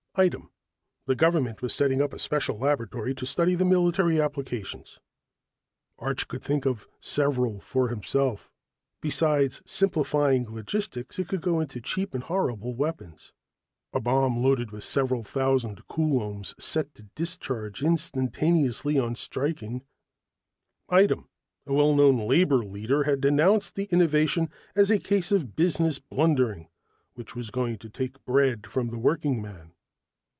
Item: the government was setting up a special laboratory to study the military applications. Arch could think of several for himself. Besides simplifying logistics, it could go into cheap and horrible weapons. A bomb loaded with several thousand coulombs, set to discharge instantaneously on striking Item: a well known labor leader had denounced the innovation as a case of business blundering which was going to take bread from the working man.